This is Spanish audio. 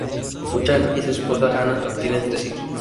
Buchan y su esposa Hannah tienen tres hijos.